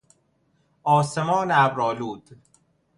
آسمان ابرآلود